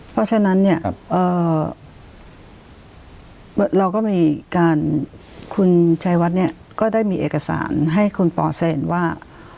เพราะฉะนั้นเนี่ยเราก็มีการคุณชัยวัดเนี่ยก็ได้มีเอกสารให้คุณปอแซนว่า